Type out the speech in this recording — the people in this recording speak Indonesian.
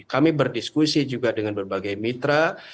kami berdiskusi juga dengan berbagai mitra